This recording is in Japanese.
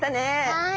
はい。